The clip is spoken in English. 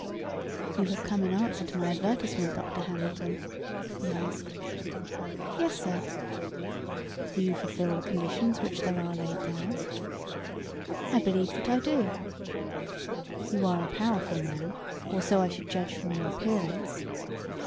"You have come in answer to my advertisement, Dr. Hamilton?" he asked. "Yes, sir." "Do you fulfil the conditions which are there laid down?" "I believe that I do." "You are a powerful man, or so I should judge from your appearance.